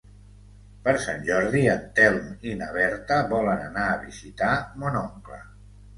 Per Sant Jordi en Telm i na Berta volen anar a visitar mon oncle.